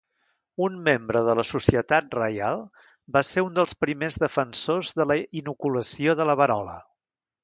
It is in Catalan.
Un membre de la Societat Reial, va ser un dels primers defensors de la inoculació de la verola.